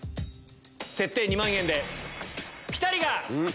設定２万円でピタリが。